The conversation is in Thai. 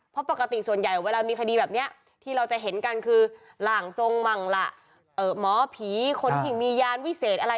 เพราะปกติส่วนใหญ่เวลามีคดีแบบนี้ที่เราจะเห็นกันคือร่างทรงมั่งล่ะหมอผีคนที่มียานวิเศษอะไร